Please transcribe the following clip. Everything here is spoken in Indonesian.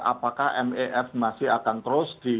jadi apakah mef masih akan terus dipakai